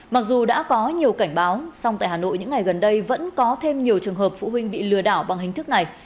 mặc dù đã có nhiều cảnh báo song tại hà nội những ngày gần đây vẫn có thêm nhiều trường hợp phụ huynh bị lừa đảo bằng hình thức này